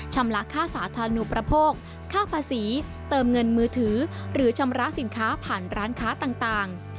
ละค่าสาธารณูประโภคค่าภาษีเติมเงินมือถือหรือชำระสินค้าผ่านร้านค้าต่าง